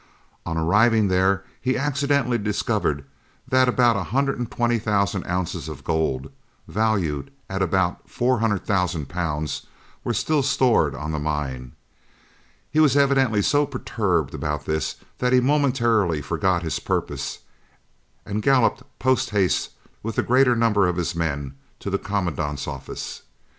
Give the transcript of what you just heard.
On arriving there he accidentally discovered that about 120,000 ounces of gold, valued at about £400,000, were still stored on the mine. He was evidently so perturbed about this that he momentarily forgot his purpose, and galloped post haste with the greater number of his men to the Commandant's office.